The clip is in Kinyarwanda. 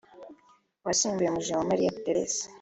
wasimbuye Mujawamariya Therése